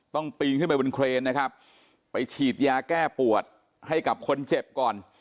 ปีนขึ้นไปบนเครนนะครับไปฉีดยาแก้ปวดให้กับคนเจ็บก่อน